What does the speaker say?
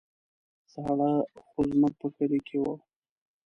ساړه خو زموږ په کلي کې وو.